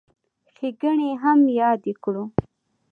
ښېګڼې یې هم یادې کړو.